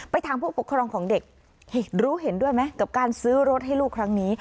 ถามผู้ปกครองของเด็กรู้เห็นด้วยไหมกับการซื้อรถให้ลูกครั้งนี้